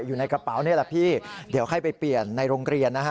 อยู่ในกระเป๋านี่แหละพี่เดี๋ยวให้ไปเปลี่ยนในโรงเรียนนะฮะ